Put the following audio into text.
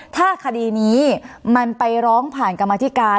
ถ้าคดีนี้มันไปร้องผ่านกรรมธิการ